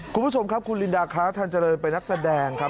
คุณผู้ชมครับคุณลินดาค้าทันเจริญเป็นนักแสดงครับ